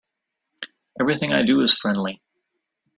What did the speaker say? Everything I do is friendly.